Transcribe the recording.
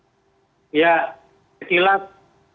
perkembangan penyidikan yang dilakukan polisi